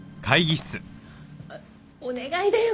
お願いだよ